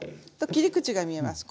切り口が見えます。